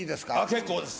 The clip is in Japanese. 結構です。